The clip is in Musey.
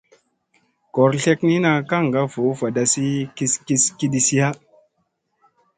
Goor tleknina kaŋga voo vadasi kis kis kidisiya.